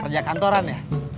kerja kantoran ya